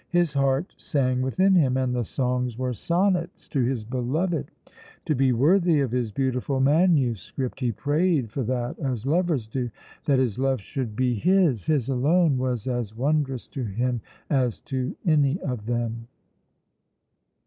His heart sang within him, and the songs were sonnets to his beloved. To be worthy of his beautiful manuscript he prayed for that as lovers do; that his love should be his, his alone, was as wondrous to him as to any of them.